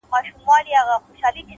• یو له بله یې په وینو وه لړلي ,